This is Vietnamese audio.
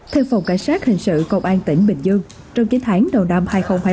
theo phòng cảnh sát hình sự công an tỉnh bình dương trong chín tháng đầu năm hai nghìn hai mươi ba